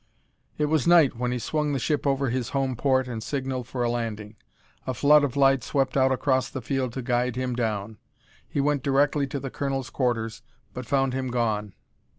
It was night when he swung the ship over his home port and signalled for a landing. A flood of light swept out across the field to guide him down. He went directly to the colonel's quarters but found him gone.